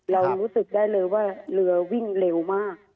เรารู้สึกได้เลยว่าเรือวิ่งเร็วมาก